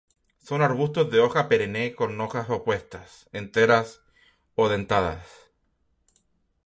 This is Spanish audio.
Son arbustos de hoja perenne con hojas opuestas, enteras o dentadas.